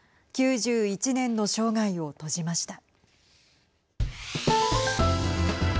９１年の生涯を閉じました。